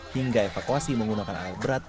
hingga evakuasi menggunakan alat berat